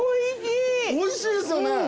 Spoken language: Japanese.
おいしいですよね。